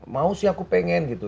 mau sih aku pengen gitu